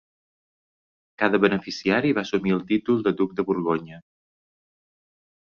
Cada beneficiari va assumir el títol de duc de Borgonya.